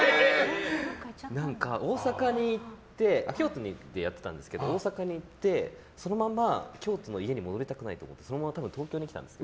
何か京都に行ってやってたんですけど大阪に行って京都の家に戻りたくないのでそのまま東京に来たんです。